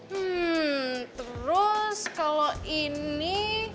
hmm terus kalau ini